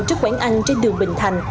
trước quảng ăn trên đường bình thành